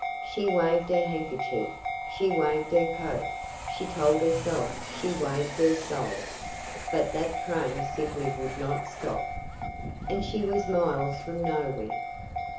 She waved her handkerchief she waved her coat, she told herself she waved her soul, but that train simply would not stop. And she was miles from nowhere!